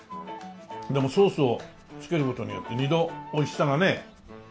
でもソースをつける事によって二度美味しさがね。